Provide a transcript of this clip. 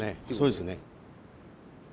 そうですね。